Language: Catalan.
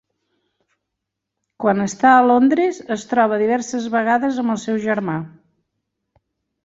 Quan està a Londres es troba diverses vegades amb el seu germà.